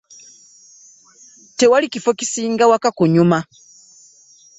Tewali kiffo kisinga waka kunyuma.